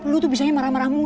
lu tuh bisanya marah marah mulu